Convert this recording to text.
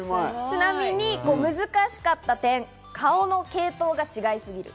ちなみに難しかった点、顔の系統が違いすぎる。